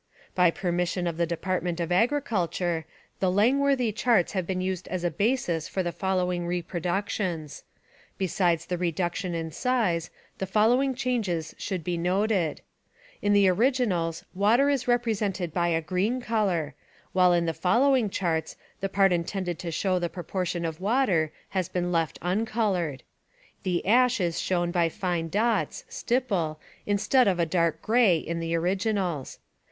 By permission of the Department of Agriculture, the Langworthy charts have been used as a basis for the following reproductions. Besides the reduction in size, the following changes should be noted: In the originals water is represented by a green color, while in the following charts the part intended to show the proportion of water has been left uncolored. The ash is shown by fine dots (stipple) instead of a dark gray in the originals.